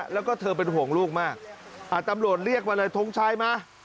แล้วก็เธอเป็นห่วงลูกมากตำรวจเรียกมาเลยทงชัยมา